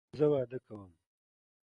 زه واده کوم